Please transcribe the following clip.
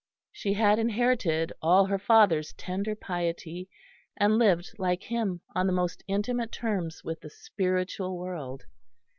She had inherited all her father's tender piety, and lived, like him, on the most intimate terms with the spiritual world.